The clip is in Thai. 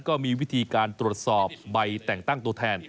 ก็มีวิธีการตรวจสอบใบแต่งตั้งตัวแทน